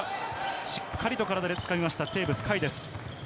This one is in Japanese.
しっかりと体でつかみました、テーブス海です。